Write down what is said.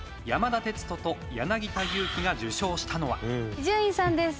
伊集院さんです。